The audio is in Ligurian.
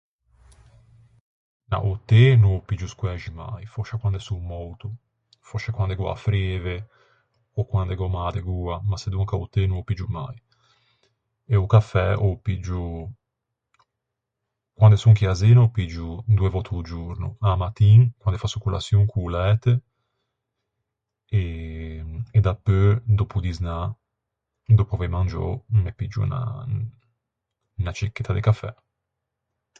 Na, o té no ô piggio squæxi mai, fòscia quande son mouto. Fòscia quande gh'ò a freve, ò quande gh'ò mâ de goa, ma sedonca o té no ô piggio mai. E o cafè ô piggio, quande son chì à Zena ô piggio doe vòtte a-o giorno. A-a mattin, quande fasso colaçion, co-o læte, e dapeu doppodisnâ dòppo avei mangiou, me piggio unna... unna cicchetta de cafè.